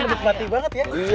lu buk buk batin banget ya